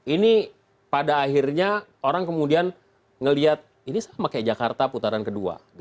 ini pada akhirnya orang kemudian melihat ini sama kayak jakarta putaran kedua